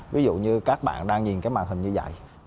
ví dụ như các bạn đang nhìn cái màn hình như vậy